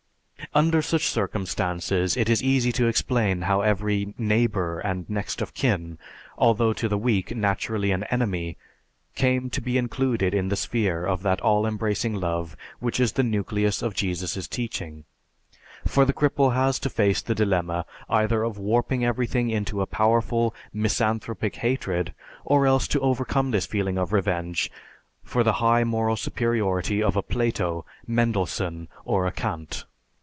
Under such circumstances it is easy to explain how every "neighbor," and next of kin, although to the weak naturally an "enemy," came to be included in the sphere of that all embracing love which is the nucleus of Jesus' teaching. For the cripple has to face the dilemma either of warping everything into a powerful, misanthropic hatred, or else to overcome this feeling of revenge for the high moral superiority of a Plato, Mendelssohn, or a Kant.